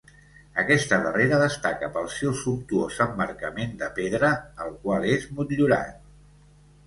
Aquesta darrera destaca pel seu sumptuós emmarcament de pedra, el qual és motllurat.